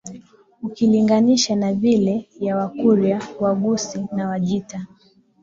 ukilinganisha na ile ya Wakurya Waghusii na Wajita